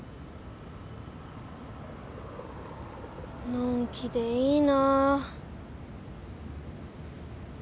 のんきでいいなあ。